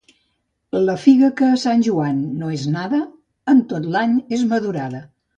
La figa que a Sant Joan no és nada, en tot l'any és madurada.